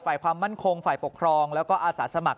ความมั่นคงฝ่ายปกครองแล้วก็อาสาสมัคร